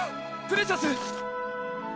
プレシャス！